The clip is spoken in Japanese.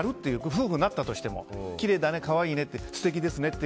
夫婦になったとしてもきれいだね可愛いねって素敵ですねって